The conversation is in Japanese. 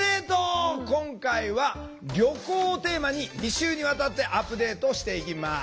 今回は旅行をテーマに２週にわたってアップデートをしていきます！